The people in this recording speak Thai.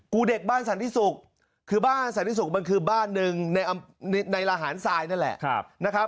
เด็กบ้านสันติศุกร์คือบ้านสันติศุกร์มันคือบ้านหนึ่งในระหารทรายนั่นแหละนะครับ